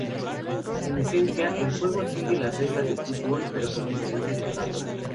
En su esencia, el juego sigue las reglas del fútbol, pero con diferencias notables.